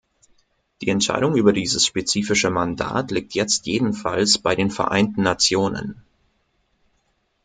Die Entscheidung über dieses spezifische Mandat liegt jetzt jedenfalls bei den Vereinten Nationen.